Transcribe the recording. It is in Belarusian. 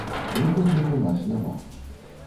Выходных у нас няма.